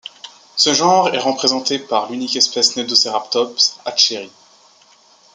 Ce genre est représenté par l'unique espèce Nedoceratops hatcheri.